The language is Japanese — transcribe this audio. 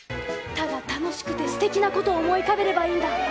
ただ楽しくて素敵なことを思い浮かべればいいんだ！